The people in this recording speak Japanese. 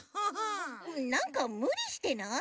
なんかむりしてない？